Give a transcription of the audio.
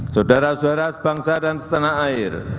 saudara saudara sebangsa dan setanah air